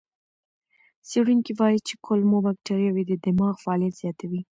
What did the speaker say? څېړونکي وایي چې کولمو بکتریاوې د دماغ فعالیت زیاتوي.